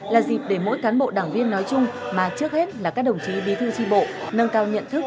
là dịp để mỗi cán bộ đảng viên nói chung mà trước hết là các đồng chí bí thư tri bộ nâng cao nhận thức